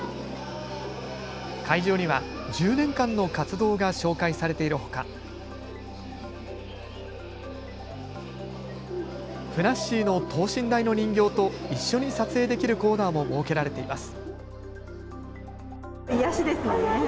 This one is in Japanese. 会場には１０年間の活動が紹介されているほか、ふなっしーの等身大の人形と一緒に撮影できるコーナーも設けられています。